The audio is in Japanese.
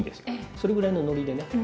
それぐらいのノリでね。